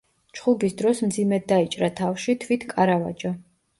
ჩხუბის დროს მძიმედ დაიჭრა თავში თვით კარავაჯო.